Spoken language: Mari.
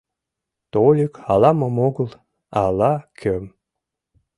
Тольык ала-мом огыл, а ала-кӧм.